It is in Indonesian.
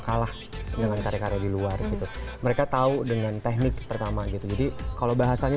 kalah dengan karya karya di luar gitu mereka tahu dengan teknik pertama gitu jadi kalau bahasanya